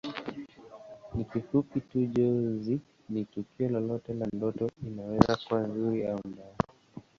Kwa kifupi tu Njozi ni tukio lolote la ndoto inaweza kuwa nzuri au mbaya